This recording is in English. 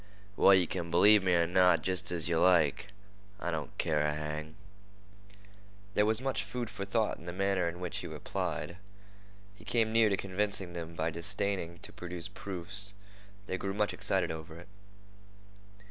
"Well, yeh kin b'lieve me er not, jest as yeh like. I don't care a hang." There was much food for thought in the manner in which he replied. He came near to convincing them by disdaining to produce proofs. They grew much excited over it.